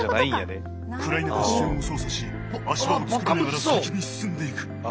暗い中視線を操作し足場を作りながら先に進んでいく。